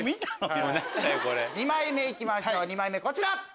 ２枚目いきましょうこちら！